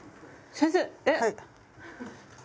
先生。